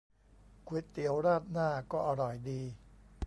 ก๋วยเตี๋ยวราดหน้าก็อร่อยดี